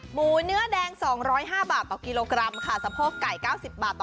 หมูเนื้อแดง๒๐๕บาท